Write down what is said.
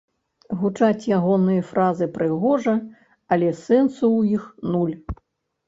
Гучаць ягоныя фразы прыгожа, але сэнсу ў іх нуль.